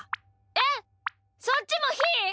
えっそっちもひー？